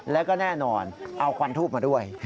แล้วก็แน่นอนเอาควันทูบมาด้วย